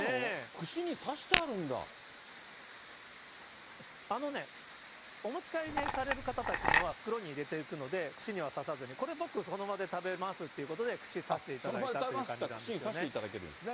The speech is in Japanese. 串に刺してあるんあのね、お持ち帰りされる方たちのは袋に入れていくので、串には刺さずに、これ僕、その場で食べますっていうことで、串刺していただいたっていう感じですね。